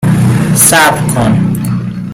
صبر کن